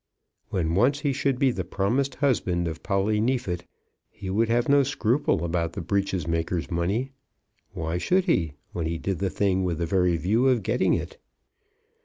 When once he should be the promised husband of Polly Neefit, he would have no scruple about the breeches maker's money. Why should he, when he did the thing with the very view of getting it?